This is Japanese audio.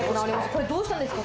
これ、どうしたんですか？